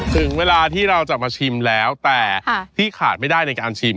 ถึงเวลาที่เราจะมาชิมแล้วแต่ที่ขาดไม่ได้ในการชิม